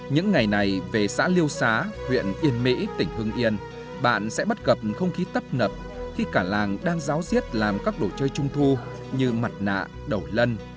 những ngày này về xã liêu xá huyện yên mỹ tỉnh hưng yên bạn sẽ bắt gặp không khí tấp nập khi cả làng đang giáo diết làm các đồ chơi trung thu như mặt nạ đầu lân